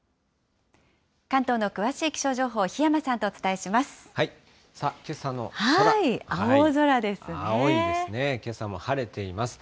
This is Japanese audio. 関東の詳しい気象情報、檜山さんとお伝えします。